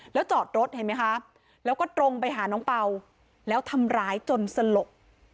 แล้วจอดรถเห็นไหมคะแล้วก็ตรงไปหาน้องเป่าแล้วทำร้ายจนสลบ